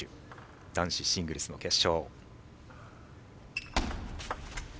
男子シングルスの決勝。